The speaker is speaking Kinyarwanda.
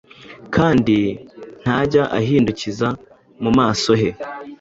Kandi ntajya ahindukiza mu maso he;